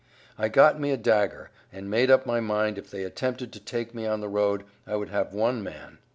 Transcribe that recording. I got me a dagger, and made up my mind if they attempted to take me on the road, I would have one man.